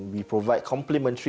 kita memberikan komplementasi